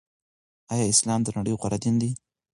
آيا اسلام دنړۍ غوره دين دې